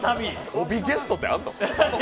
帯ゲストってあんの？